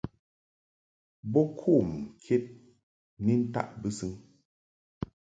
Bo ŋkom ked ni ntaʼ bɨsɨŋ.